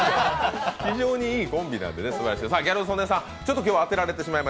非常にいいコンビなので、すばらしい。